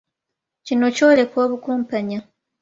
Kino kyoleka obukumpanya.